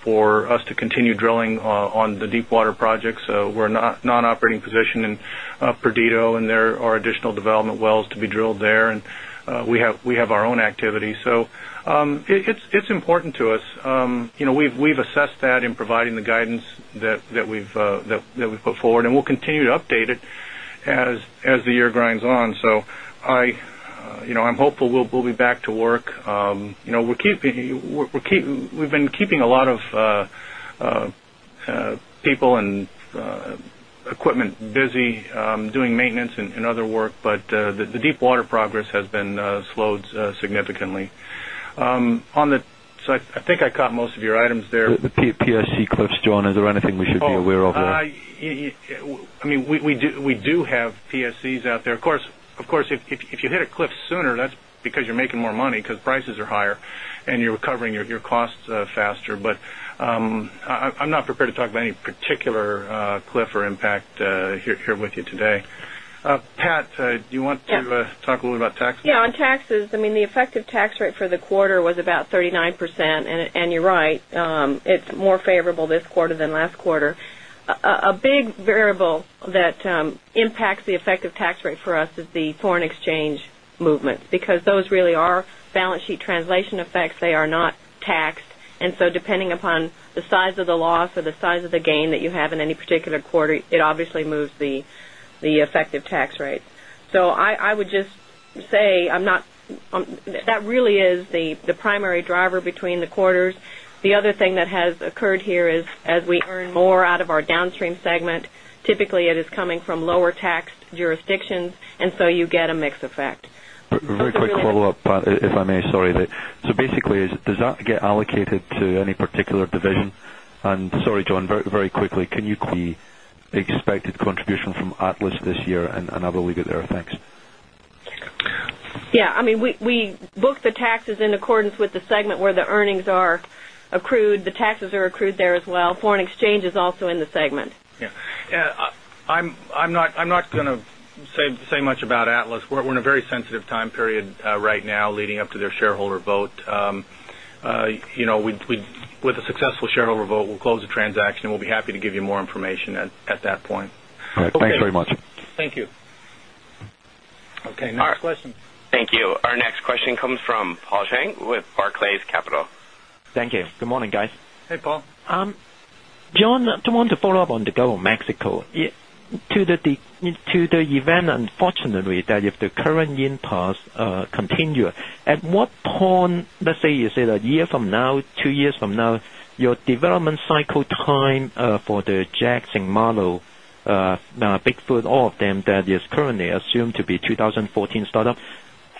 for us to continue drilling on the deepwater projects. So we're non operating position in Perdido and there are additional development wells to be drilled there and we have our own activity. So it's important to us. We've assessed that in providing the guidance that we've put forward and we'll continue to update it as the year grinds on. So I'm hopeful we'll be back to work. We're keeping we've been keeping a lot of people and equipment busy doing maintenance and other work, but the deepwater progress has been slowed significantly. On the so I think I caught most of your items there. The PSC close, John, is there anything we should be aware of there? I mean, we do have PSCs out there. Of course, if you hit a cliff sooner, that's because you're making more money because prices are higher and you're recovering your costs faster. But I'm not prepared to talk about any particular cliff or impact here with you today. Pat, do you want to talk a little bit about taxes? Yes. On taxes, I mean, the effective tax rate for the quarter was about 39 percent. And you're right, it's more favorable this quarter than last quarter. A big variable that impacts the effective tax rate for us is the foreign exchange movement because those really are balance sheet translation effects. They are not taxed. And so depending upon the size of the loss or the size of the gain that you have in any particular quarter, it obviously moves the effective tax rate. So I would just say I'm not that really is the primary driver between the quarters. The other thing that has occurred here is as we earn more out of our Downstream segment, typically it is coming from lower taxed jurisdictions and so you get a mix effect. Very quick follow-up, Pat, if I may. Sorry. So basically, does that get allocated to any particular division? And sorry, John, very quickly, can you expect the contribution from Atlas this year and how will we get there? Yes. I mean, we booked the taxes in accordance with the segment where the earnings are accrued. The taxes are accrued there as well. Foreign exchange is also in the segment. Yes. I'm not going to say much about Atlas. We're in a very sensitive time period right now leading up to their shareholder vote. With a successful shareholder vote, we'll close the transaction and we'll be happy to give you more information at that point. Okay. Thanks very much. Thank you. Okay. Next question. Thank you. Our question comes from Paul Cheng with Barclays Capital. Thank you. Good morning, guys. Hey, Paul. John, I want to follow-up on the Gulf of Mexico. To the event unfortunately that if the current yield pass continue, at what point, let's say, you said a year from now, 2 years from now, your development cycle time for the Jags and Marlow, bigfoot all of them that is currently assumed to be 2014 startup.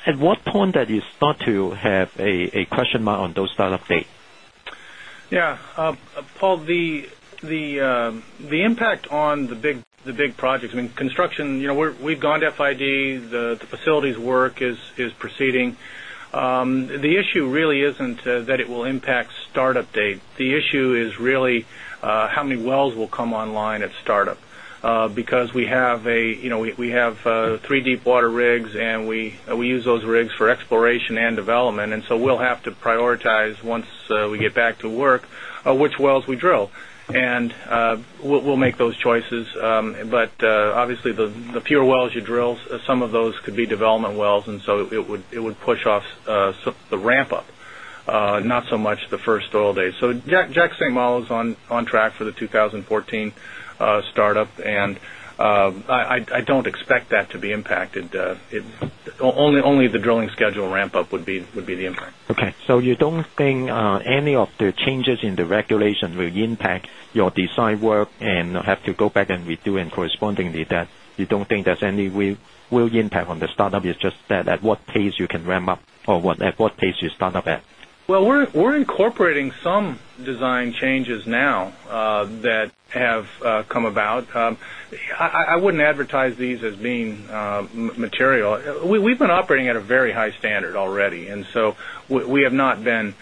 At what point that you start to have a question mark on those startup date? Yes. Paul, the impact on the big projects, I mean construction, we've gone to FID, the facilities work is proceeding. The issue really isn't that it will impact start up date. The issue is really how many wells will come online at start up because we have 3 deepwater rigs and we use those rigs for exploration and development and so we'll have to prioritize once we get back to work which wells we drill and we'll make those choices. But obviously the pure wells you drill, some of those could be development wells and so it would push off the ramp up, not so much the 1st oil days. So Jack St. Malo is on track for the 2014 start up and I don't expect that to be impacted. Only the drilling schedule ramp up would be the impact. Okay. So you don't think any of the changes in the regulation will impact your design work and have to go back and we do and correspondingly that you don't think there's any real impact on the start up, it's just that at what pace you can ramp up or at what pace you start up at? Well, we're incorporating some design changes now that have come about. I wouldn't advertise these as being material. We've been operating at a very high standard already. And so we have not been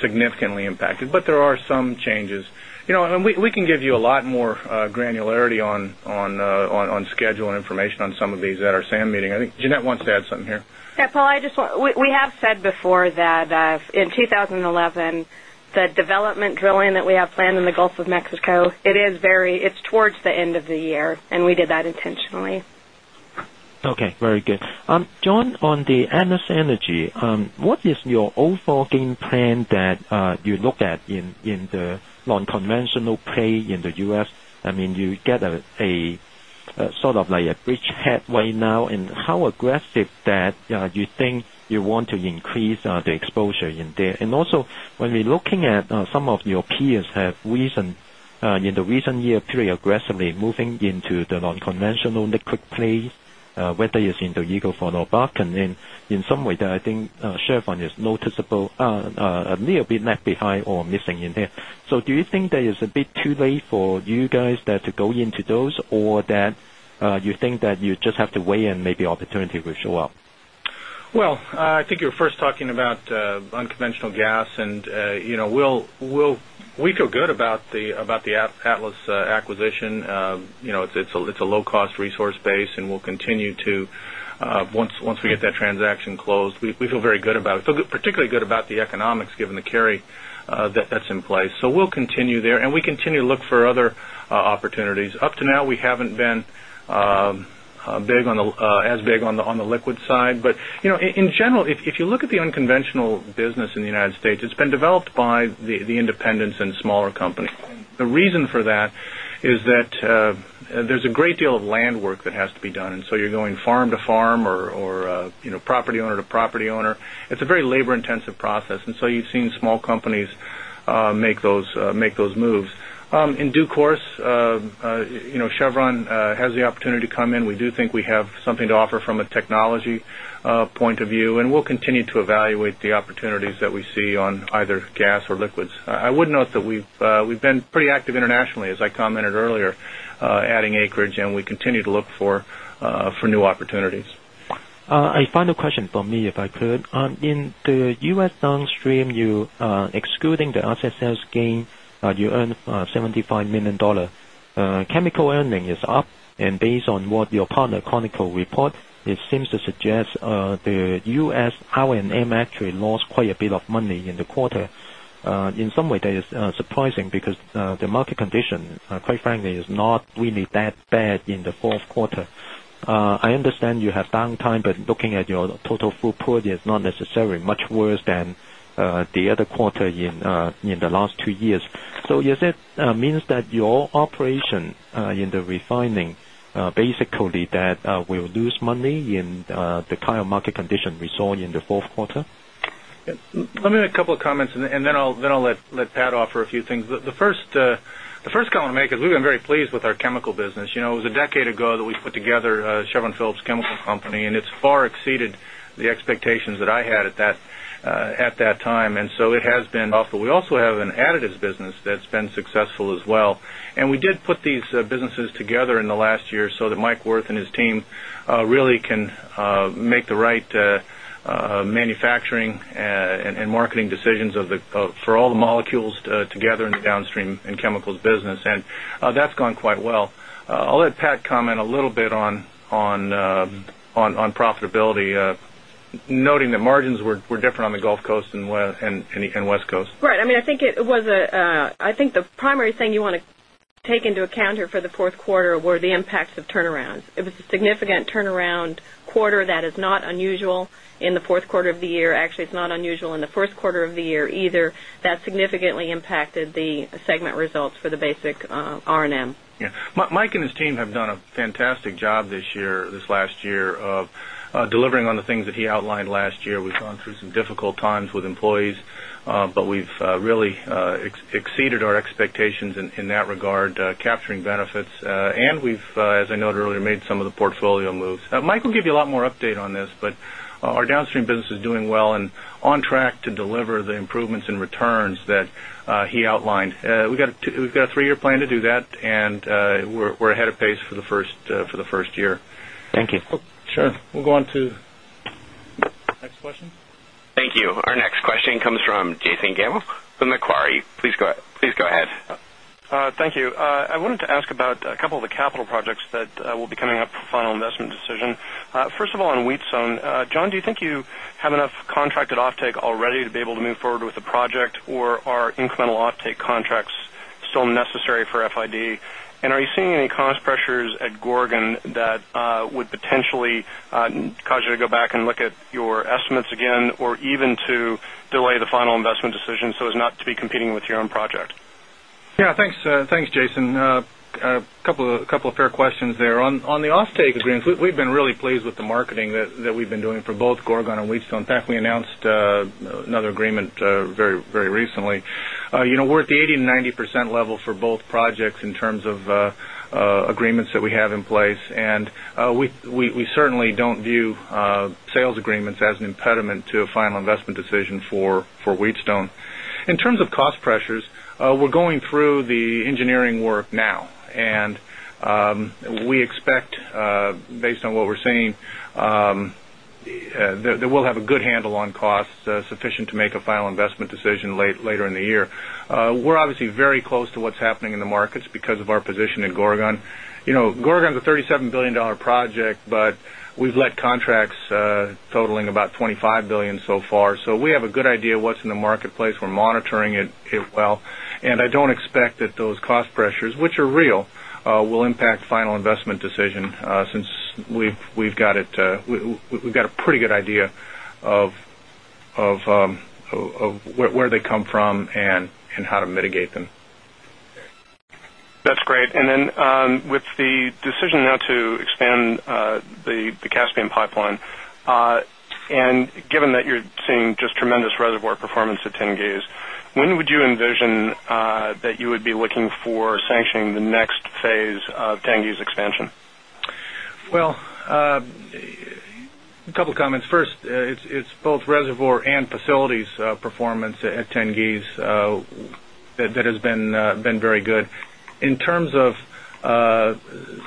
significantly impacted, but there are some changes. And we can give you a lot more granularity on schedule and information on some of these at our SAM meeting. I think Jeanette wants to add something Yes, Paul, I just want we have said before that in 2011, the development drilling that we have planned in the Gulf of Mexico, it is very it's towards the end of the year and we did that intentionally. Okay, very good. John, on the Anas Energy, what is your overall game plan that you look at in the non conventional play in the U. S? I mean, you get a sort of like a bridge headway now and how aggressive that you think you want to increase the exposure in there? And also when we're looking at some of your peers have reason in the recent year pretty aggressively moving into the non conventional liquid plays whether you're seeing the Eagle Ford or Bakken in some way that I think share fund is noticeable, maybe a bit left behind or missing in there. So do you think that is a bit too late for you guys that to go into those or that you think that you just have to weigh and maybe opportunity will show up? Well, I think you're first talking about unconventional gas and we feel good about the Atlas acquisition. It's a low cost resource base and we'll continue to once we get that transaction closed, we feel very good about it, particularly good about the economics given the carry that's in place. So we'll continue there and we continue to look for other opportunities. Up to now we haven't been big on the as big on the liquid side. But in general if you look at the unconventional business in the United States, it's been developed by the independents and smaller companies. The reason for that is that there's a great deal of land work that has to be done. And so you're going farm to farm or property owner to property owner. It's a very labor intensive process. And so you've seen small make those moves. In due course, Chevron has the opportunity to come in. We do think we have something to offer from a technology point of view and we'll continue to evaluate the opportunities that we see on either gas or liquids. I would note that we've been pretty active internationally as I commented earlier adding acreage and we continue to look for new opportunities. You earned $75,000,000 Chemical earning is up and based on what your partner Conoco report, it seems to suggest the U. S. R and M actually lost quite a bit of money in the quarter. In some way that is surprising because the market condition quite frankly is not really that bad in the Q4. I understand you have downtime, but looking at your total throughput is not necessarily much worse than the other quarter in the last 2 years. So you said means that your operation in the refining basically that we will lose money in the kind of market condition we saw in the Q4? Let me make a couple of comments and then I'll let Pat offer a few things. The first comment I'll make is we've been very pleased with our chemical business. It was a decade ago that we put together a Chevron Phillips Chemical Company and it's far exceeded the expectations that I had at that time. And so it has been tough, but we also have an additives business that's been successful as well. And we did put these business together in the last year so that Mike Wirth and his team really can make the right manufacturing and marketing decisions for all the molecules together in the Downstream and Chemicals business and that's gone quite well. I'll let Pat comment a little bit on profitability, noting that margins were different on the Gulf Coast and West Coast. Right. I mean, I think it was I think the primary thing you want to take into account here for the Q4 were the impacts of turnarounds. It was a significant turnaround quarter that is not unusual in the Q4 of the year. Actually, it's not unusual in the Q1 of the year either. That significantly impacted the segment results for the basic R and M. Yes. Mike and his team have done a fantastic job this year, this last year of delivering on the things that he outlined last year. We've gone through some difficult times with employees, but we've really exceeded our expectations in that regard, capturing benefits. And we've, as I noted earlier, made some of the portfolio moves. Mike will give you a lot more update on this, but our downstream business is doing well and on track to deliver the improvements and returns that he outlined. We've got a 3 year plan to do that and we're ahead of pace for the 1st year. Thank you. Sure. We'll go on to next question. Thank you. Our next question comes from Jason Gammel from Macquarie. Please go ahead. Thank you. I wanted to ask about a couple of the capital projects that will be coming up for final investment decision. First of all, on Wheatstone, John, do you think you have enough contracted offtake already to be able to move forward with the project or are incremental offtake contracts still necessary for FID? And are you seeing any cost pressures at Gorgon that would potentially cause you to go back and look at your estimates again or even to delay the final investment decision so as not to be competing with your own project? Yes. Thanks, Jason. A couple of fair questions there. On the offtake agreements, we've been really pleased with the marketing that we've been doing for both Gorgon and Wheatstone. In fact, we announced another agreement very recently. We're at the 80% to 90% level for both projects in terms of agreements that we have in place. And we certainly don't view sales agreements as an impediment to a final investment decision for Wheatstone. In terms of cost pressures, we're going through the engineering work now and we expect based on what we're seeing that we'll have a good handle on costs sufficient to make a final investment decision later in the year. We're obviously very close to what's happening in the markets because of our position at Gorgon. Gorgon is a $37,000,000,000 project, but we've let contracts totaling about $25,000,000,000 so far. So we have a good idea what's in the marketplace. We're monitoring it well. And I don't expect that those cost pressures, which are real, will impact final investment decision we've got it we've got a pretty good idea of where they come from and how to mitigate them. That's great. And then with the decision now to expand the Caspian pipeline, and given that you're seeing just tremendous reservoir performance at Tengiz, when would you envision that you would be looking for sanctioning the next phase of Tengiz expansion? Well, a couple of comments. First, it's both reservoir and facilities performance at Tengiz that has been very good. In terms of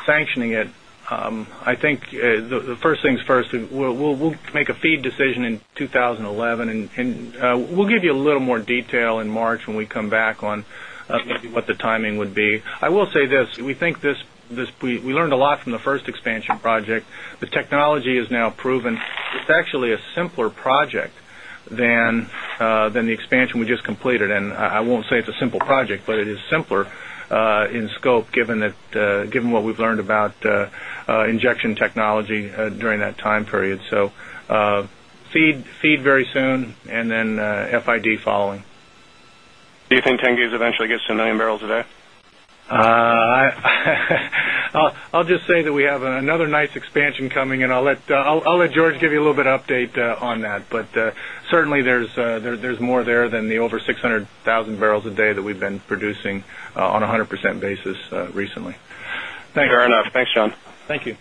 sanctioning it, I think the first things first, we'll make a FEED decision in 2011 and we'll give you a little more detail in March when we come back on maybe what the timing would be. I will say this, we think this we learned a lot from the first expansion project. The technology is now proven. It's actually a simpler project than the expansion we just completed. And I won't say it's a simple project, but it is simpler in scope given what we've learned about injection technology during that time period. So feed very soon and then FID following. Do you think 10 gigabytes eventually gets to 1,000,000 barrels a day? I'll just say that we have another nice expansion coming and I'll let George give you a little bit update on that. But certainly, there's more there than the over 600,000 barrels a day that we've been producing on a 100% basis recently. Fair enough. Thanks, John. Thank you.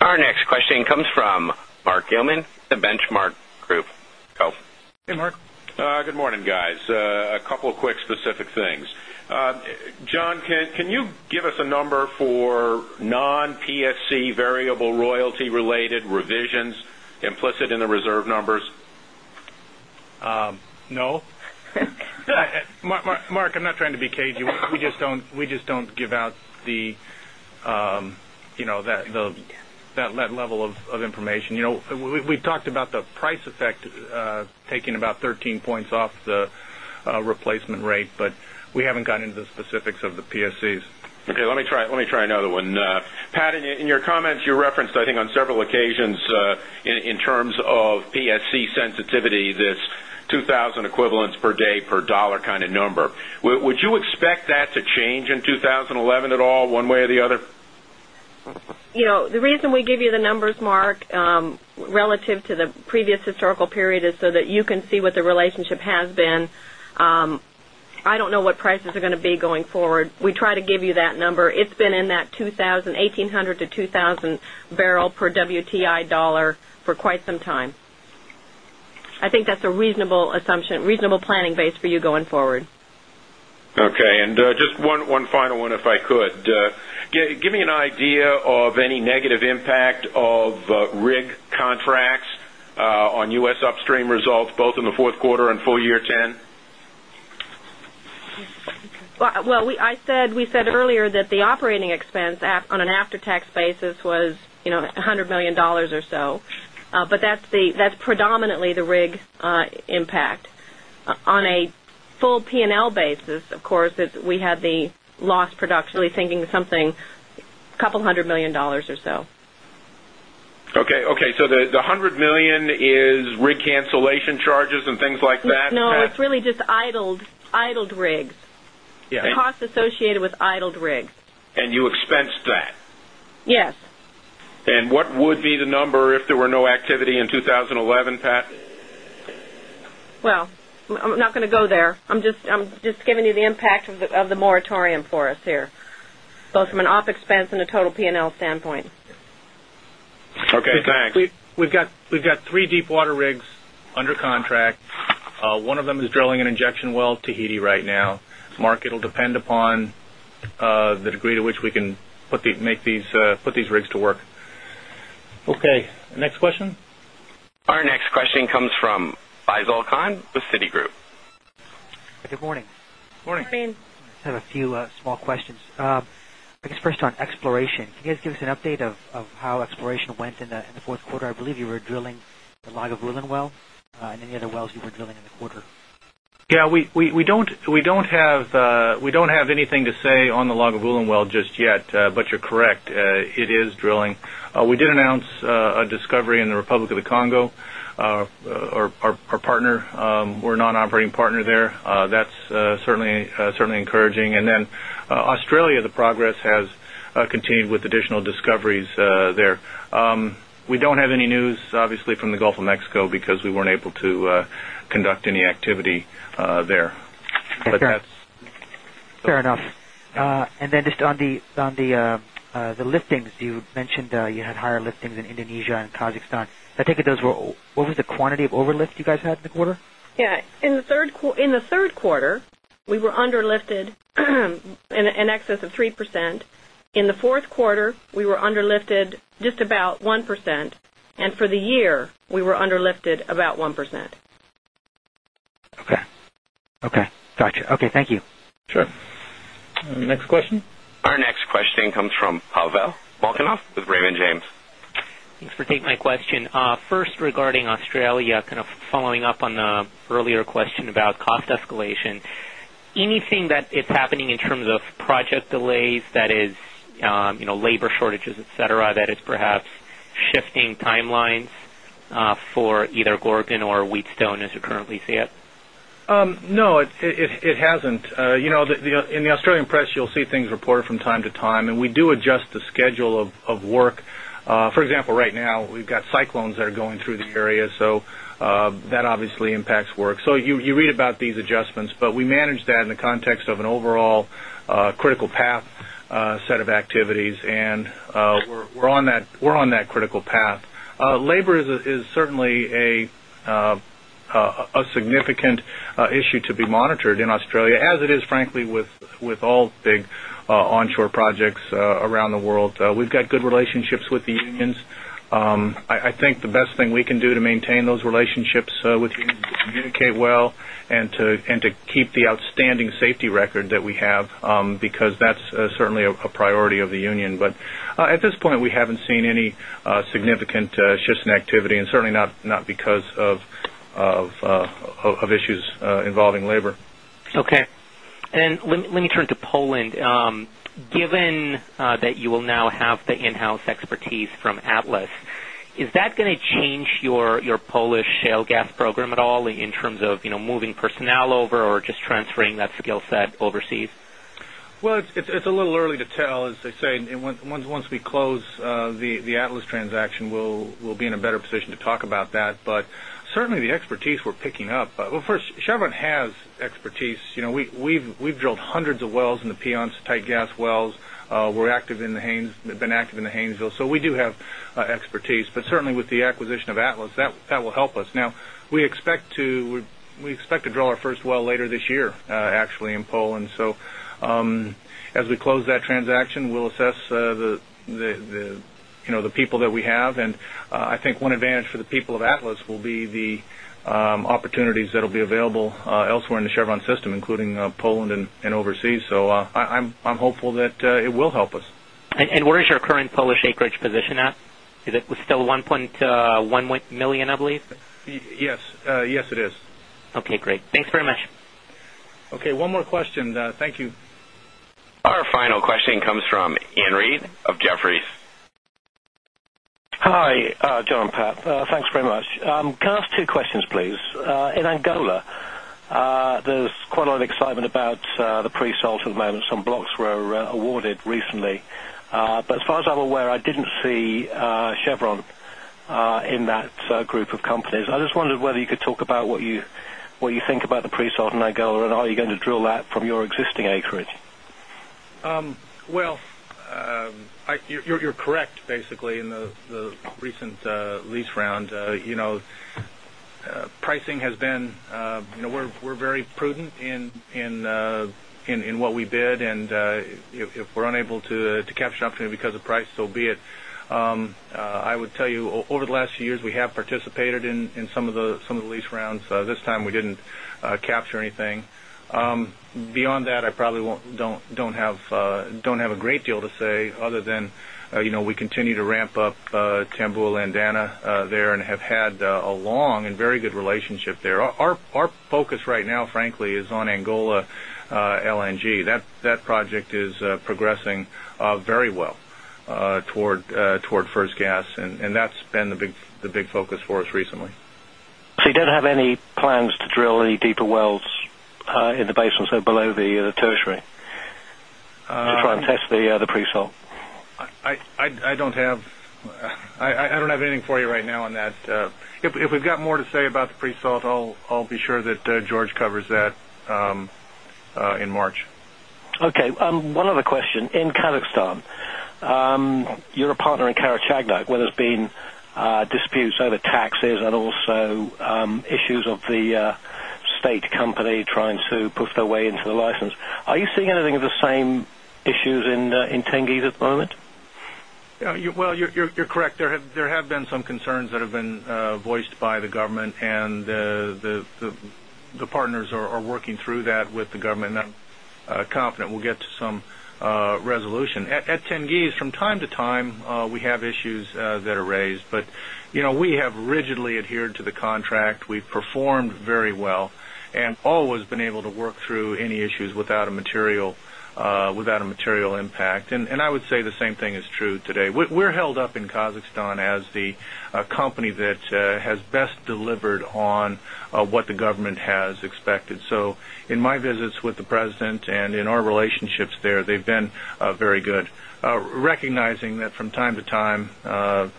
Our next question comes from Mark Hillman, The Benchmark Group. Good morning, guys. A couple of quick specific things. John, can you give us a number for non PSC variable royalty related revisions implicit in the reserve numbers? No. Mark, I'm not trying to be cagey. We just don't give out that level of information. We've talked about the price effect taking about 13 points off the replacement rate, but we haven't gotten into the specifics of the PSCs. Okay. Let me try another one. Pat, in your comments, you referenced I think on several occasions in terms of PSC sensitivity, this 2,000 equivalents per day per dollar kind of number. Would you expect that to change in 2011 at all one way or the other? The reason we give you the numbers, Mark, relative to the previous historical period is so that you can see what the relationship has been. I don't know what prices are going to be going forward. We try to give you that number. It's been in that $1800 to $2,000 barrel per WTI dollar for quite some time. I think that's a reasonable assumption, reasonable planning base for you going forward. Okay. And just one final one if I could. Give me an idea of any negative impact of rig contracts on U. S. Upstream results both in the Q4 and full year 'ten? Well, we said earlier that the operating expense on an after tax basis was $100,000,000 or so, but that's predominantly the rig impact. On a full P and L basis, of course, we have the loss productionally thinking something a couple of $100,000,000 or so. Okay. Okay. So the $100,000,000 is rig cancellation charges and things like that? No. It's really just idled rigs. Yes. Costs associated with idled rigs. And you expensed that? Yes. And what would be the number if there were no activity in 2011, Pat? Well, I'm not going to go there. I'm just giving you the impact of the moratorium for us here, both from an op expense and a total P and L standpoint. Okay. Thanks. We've got 3 deepwater rigs under contract. One of them is drilling an injection well Tahiti right now. The market will depend upon the degree to which we can put these rigs to work. Okay. Next question? Our next question comes from Faisal Khan with Citigroup. Good morning. Good morning. Good morning. I have a few small questions. I guess first on exploration. Can you guys give us an update of how exploration went in the Q4? I believe you were drilling the Lagavulin well and any other wells you were drilling in the quarter? Yes, we don't have anything to say on the Lagavulin well just yet, but you're correct, it is drilling. We did announce a discovery in the Republic of the Congo, our partner. We're non operating partner there. That's certainly encouraging. And then Australia, the progress has continued with additional discoveries there. We don't have any news obviously from the Gulf of Mexico because we weren't able to conduct any activity there. Fair enough. And then just on the liftings, you mentioned you had higher liftings in Indonesia and Kazakhstan. I take it those were what was the quantity of over lift you guys had in the quarter? Yes. In the Q3, we were underlifted in excess of 3%. In the Q4, we were underlifted just about 1%. And for the year, we were underlifted about 1%. Okay. Okay. Got you. Okay. Thank you. Sure. Next question? Our next question comes from Pavel Molchanov with Raymond James. Thanks for taking my question. First regarding Australia, kind of following up on the earlier question about cost escalation. Anything that is happening in terms of project delays that is labor shortages, etcetera, that is perhaps shifting timelines for either Gorgon or Wheatstone as you currently see it? No, it hasn't. In the Australian press you'll see things reported from time to time and we do adjust the schedule of work. For example, right now, we've got cyclones that are going through the area. So that obviously impacts work. So you read about these adjustments, but we manage that in the context of an overall critical path set of activities and we're on that critical path. Labor is certainly a significant significant issue to be monitored in Australia as it is frankly with all big onshore projects around the world. We've got good relationships with the unions. I think the best thing we can do to maintain those relationships with unions communicate well and to keep the outstanding safety record that we have because that's certainly a priority of the union. But at this point, we haven't seen any significant shifts in activity and certainly not because of issues involving labor. Okay. And let me turn to Poland. Given that you will now have the in house expertise from Atlas, is that going to change your Polish shale gas program at all in terms of moving personnel over or just transferring that skill set overseas? Well, it's a little early to tell as they say. Once we close the Atlas transaction, we'll be in a better position to talk about that. But certainly, the expertise we're picking up, but first Chevron has expertise. We've drilled hundreds of wells in the Ponce tight gas wells. We're active in the Haynes they've been active in the Haynesville. So we do have expertise, but certainly with the acquisition of Atlas that will help us. Now we expect to draw our first well later this year actually in Poland. So as we close that transaction, we'll assess the people that we have. And I think one advantage for the people of Atlas will be the opportunities that will be available elsewhere in the Chevron system, including Poland and overseas. So I'm hopeful that it will help us. And where is your current Polish acreage position at? Is it still 1,100,000 I believe? Yes, it is. Okay, great. Thanks very much. Okay, one more question. Thank you. Our final question comes from Ann Reade of Jefferies. Hi, John and Pat. Thanks very much. Can I ask two questions please? In Angola, there's quite a lot of excitement about the pre salt at the moment. Some blocks were awarded recently. But as far as I'm aware, I didn't see Chevron in that group of companies. I just wondered whether you could talk about what you think about the presold in Angola? And are you going to drill that from your existing acreage? Well, you're correct basically in the recent lease round. Pricing has been we're very prudent in what we bid and if we're unable to capture opportunity because of price, so be it. I would tell you over the last few years, we have participated in some of the lease rounds. This time we didn't capture anything. Beyond that, I probably don't have a frankly is on Angola LNG. That project is progressing very well toward first gas and that's been the big focus for us recently. So you don't have any plans to drill any deeper wells in the basins or below the tertiary to try and test the pre salt? I don't have anything for you right now on that. If we've got more to say about the pre salt, I'll be sure that George covers that in March. Okay. And one other question. In Kazakhstan, you're a partner in Karachagno where there's been disputes over taxes and also issues of the state company trying to put their way into the license. Are you seeing anything of the same issues in Tengiz at the moment? Well, you're correct. There have been some concerns that have been voiced by the government and the partners are working through that with the government and I'm confident we'll get to some resolution. At Tengiz from time to time, we have issues that are raised. But we have rigidly adhered to the contract. We've performed very well and always been able to work through any issues without a material impact. And I would say the same thing is true today. We're held up in Kazakhstan as the company that has best delivered on what the government has expected. So in my visits with the President and our relationships there, they've been very good. Recognizing that from time to time, there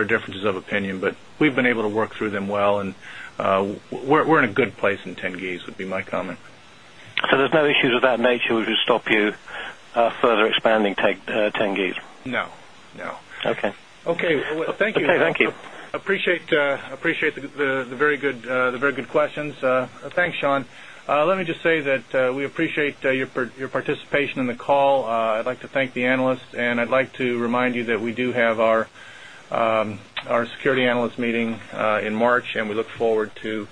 are differences of opinion, but we've been able to work through them well and we're in a good place in Tengiz would be my comment. So there's no issues of that nature which will stop you further expanding Tengiz? No, no. Okay. Okay. Thank you. Okay. Thank you. Appreciate the very good questions. Thanks, Sean. Let me just say that we appreciate your participation in the call. I'd like to thank the analysts and I'd like to remind you that we do have our security analyst meeting in March and we look forward to